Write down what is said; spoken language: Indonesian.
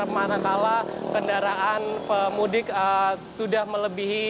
apabila kendaraan mudik sudah melebihi